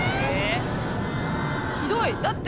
ひどいだって。